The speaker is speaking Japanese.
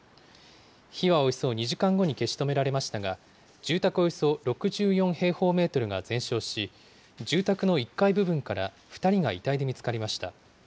火はおよそ２時間後に消し止められましたが、住宅およそ６４平方メートルが全焼し、住宅の１階部分から、２人が遺体で見つかりました。